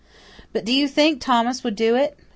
But do you think Thomas would do it?